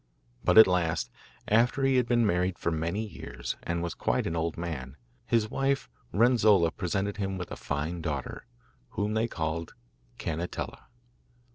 But at last, after he had been married for many years, and was quite an old man, his wife Renzolla presented him with a fine daughter, whom they called Cannetella.